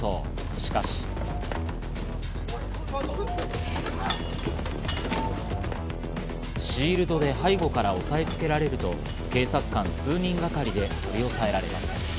しかし／シールドで背後から押さえ付けられると、警察官数人がかりで取り押さえられました。